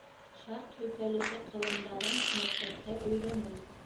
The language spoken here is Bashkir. Шарт һөйкәлеше ҡылымдарын мәктәптә өйрәнеү